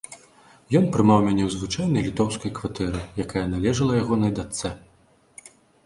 Ён прымаў мяне ў звычайнай літоўскай кватэры, якая належала ягонай дачцэ.